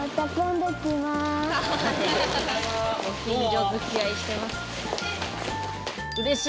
ご近所づきあいしてますね。